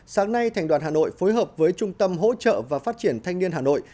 sáng nay thành đoàn hà nội phối hợp với trung tâm hỗ trợ và phát triển thanh niên hà nội